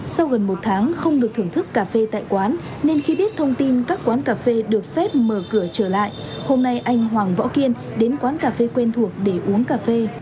sau gần một tháng không được thưởng thức cà phê tại quán nên khi biết thông tin các quán cà phê được phép mở cửa trở lại hôm nay anh hoàng võ kiên đến quán cà phê quen thuộc để uống cà phê